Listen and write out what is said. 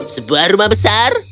sebuah rumah besar